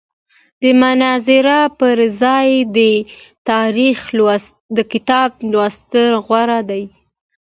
د مناظرې پر ځای د کتاب لوستل غوره دي.